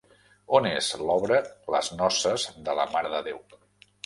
On és l'obra Les noces de la Mare de Déu?